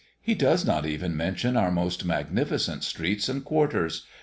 He does not even mention our most magnificent streets and quarters.